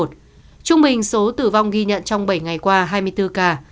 trung bình số tử vong ghi nhận trong bảy ngày qua hai mươi bốn ca